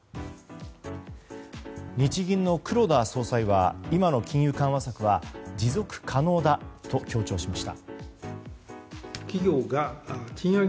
日銀の黒田総裁は今の金融緩和策は持続可能だと強調しました。